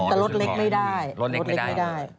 แต่รถเล็กไม่ได้